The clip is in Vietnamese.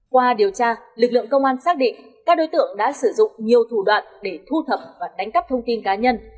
qua điều tra lực lượng công an xác định các đối tượng đã sử dụng nhiều thủ đoạn để thu thập và đánh cắp thông tin cá nhân